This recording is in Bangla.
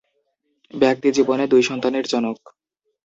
ব্যক্তিজীবনে দুই সন্তানের জনক।